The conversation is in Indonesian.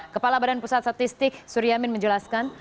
kepala badan pusat statistik suri amin menjelaskan